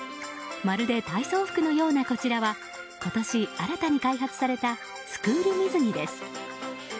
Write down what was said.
まるで体操服のような、こちらは今年新たに開発されたスクール水着です。